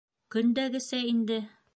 Көндәгесә инде.